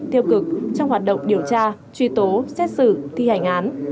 tiêu cực trong hoạt động điều tra truy tố xét xử thi hành án